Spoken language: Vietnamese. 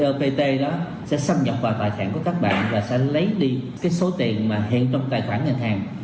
lpt đó sẽ xâm nhập vào tài khoản của các bạn và sẽ lấy đi cái số tiền mà hiện trong tài khoản ngành hàng